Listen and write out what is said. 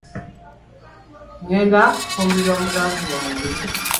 Ngenda kufumbirwa muganzi wange.